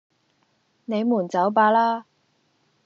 你們走吧啦!